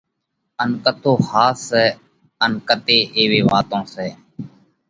ان ڪتو ۿاس سئہ؟ ان ڪتي ايوي واتون سئہ